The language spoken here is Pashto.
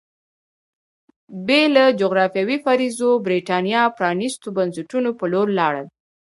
بې له جغرافیوي فرضیو برېټانیا پرانېستو بنسټونو په لور لاړل